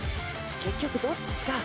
結局どっちっすか？